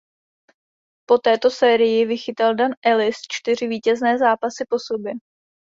Po této sérii vychytal Dan Ellis čtyři vítězné zápasy po sobě.